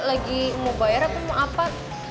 lagi mau bayar atau mau apa